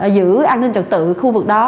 giữ an ninh trật tự khu vực đó